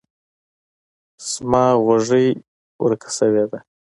زما غوږۍ ورک شوی ده.